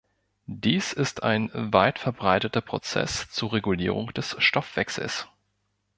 Dies ist ein weitverbreiteter Prozess zur Regulierung des Stoffwechsels.